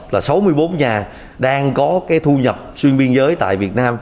là sáu mươi bốn nhà đang có cái thu nhập xuyên biên giới tại việt nam